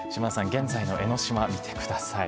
現在の江の島、見てください。